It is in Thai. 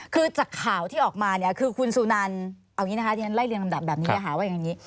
คือจากข่าวที่ออกมาคือคุณสุนันไล่เรียนลำดับหาว่าอย่างนี้